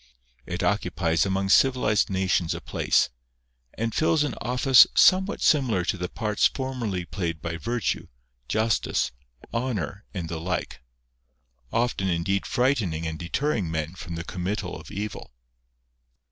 It occupies among civilised nations a place, and fills an office somewhat similar to the parts formerly played by virtue, justice, honour, and the like, often indeed frightening and deterring men from the committal of evil.